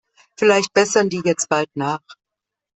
Vielleicht bessern die jetzt bald nach.